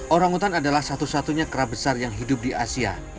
orang utan adalah satu satunya kera besar yang hidup di asia